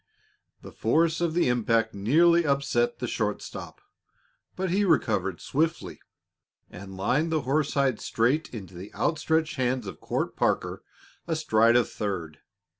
The force of the impact nearly upset the short stop, but he recovered swiftly and lined the horsehide straight into the outstretched hands of Court Parker, astride of third.